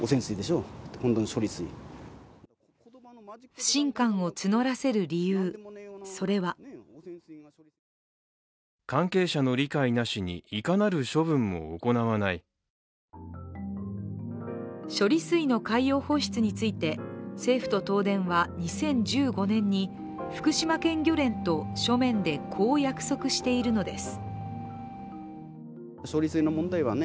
不信感を募らせる理由、それは処理水の海洋放出について、政府と東電は２０１５年に福島県漁連と書面でこう約束しているのです。